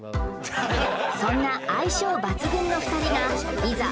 そんな相性抜群の２人がいざ